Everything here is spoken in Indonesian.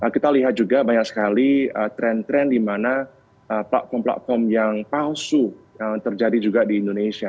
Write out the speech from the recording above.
kita lihat juga banyak sekali tren tren di mana platform platform yang palsu yang terjadi juga di indonesia